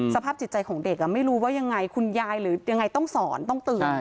สภาพจิตใจของเด็กไม่รู้ว่ายังไงคุณยายหรือยังไงต้องสอนต้องเตือน